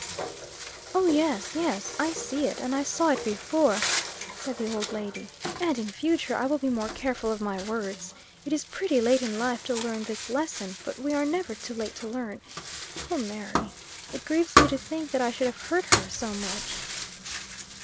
"Oh, yes, yes. I see it; and I saw it before," said the old lady. "And, in future, I will be more careful of my words. It is pretty late in life to learn this lesson but we are never too late to learn. Poor Mary! It grieves me to think that I should have hurt her so much."